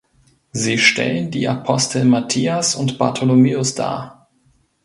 Sie stellen die Apostel Matthias und Bartholomäus dar.